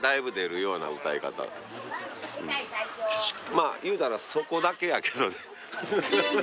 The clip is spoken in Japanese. まあいうたらそこだけやけどね。